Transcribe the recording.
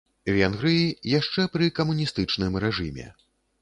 Венгрыі яшчэ пры камуністычным рэжыме.